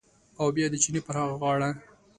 او بیا د چینې پر هغه غاړه